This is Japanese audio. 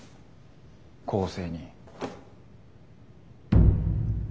「公正」に。